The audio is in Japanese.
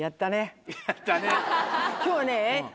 今日はね。